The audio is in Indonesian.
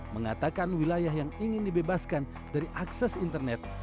mengatakan wilayah yang ingin dibebaskan dari akses internet